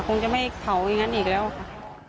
คงจะไม่เผาอย่างนั้นอีกแล้วค่ะ